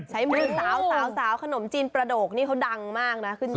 ใช้มือสาวขนมจีนประโดกนี่เขาดังมากนะขึ้นชอบ